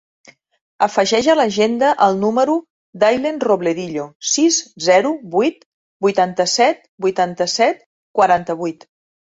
Afegeix a l'agenda el número de l'Aylen Robledillo: sis, zero, vuit, vuitanta-set, vuitanta-set, quaranta-vuit.